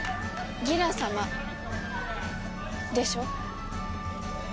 ギラ様でしょ？